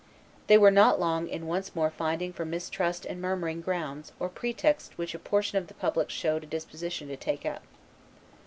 They were not long in once more finding for mistrust and murmuring grounds or pretexts which a portion of the public showed a disposition to take up.